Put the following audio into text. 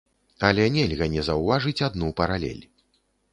Але нельга не заўважыць адну паралель.